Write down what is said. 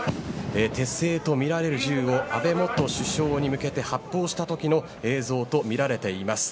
手製とみられる銃を安倍元首相に向けて発砲した時の映像とみられています。